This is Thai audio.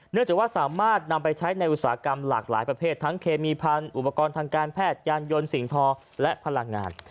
จากว่าสามารถนำไปใช้ในอุตสาหกรรมหลากหลายประเภททั้งเคมีพันธุ์อุปกรณ์ทางการแพทย์ยานยนต์สิ่งทอและพลังงาน